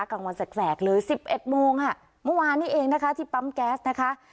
กลางวันแสกเลยสิบเอ็ดโมงค่ะเมื่อวานนี้เองนะคะที่ปั๊มแก๊สนะคะ